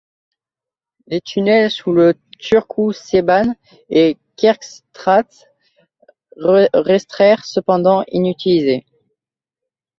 Les tunnels sous la Turnhoutsebaan et la Kerkstraat restèrent cependant inutilisés.